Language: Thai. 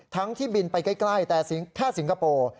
ที่บินไปใกล้แต่แค่สิงคโปร์